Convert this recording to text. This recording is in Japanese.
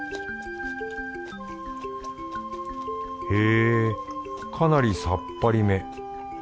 へぇかなりさっぱりめ。